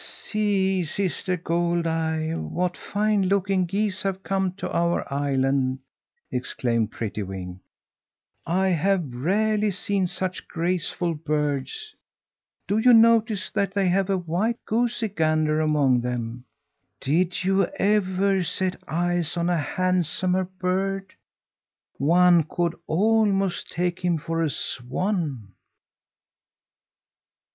"See, Sister Goldeye, what fine looking geese have come to our island!" exclaimed Prettywing, "I have rarely seen such graceful birds. Do you notice that they have a white goosey gander among them? Did you ever set eyes on a handsomer bird? One could almost take him for a swan!"